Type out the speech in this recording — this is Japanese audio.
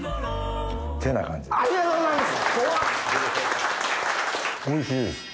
ありがとうございます。